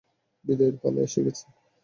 বিদায়ের পালা এসে গেছে।